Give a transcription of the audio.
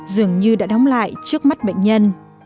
dường như đã đóng lại trước mắt bệnh nhân